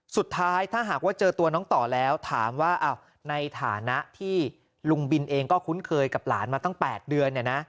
สุดท้ายถ้าหากว่าเจอตัวน้องต่อแล้วถามว่าในฐานะที่ลุงบินเองก็คุ้นเคยกับหลานมาตั้ง๘เดือน